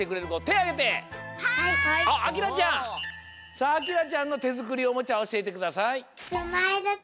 さああきらちゃんのてづくりおもちゃおしえてください！